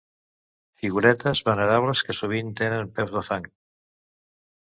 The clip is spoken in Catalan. Figuretes venerables que sovint tenen peus de fang.